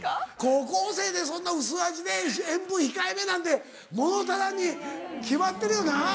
高校生でそんな薄味で塩分控えめなんて物足らんに決まってるよな。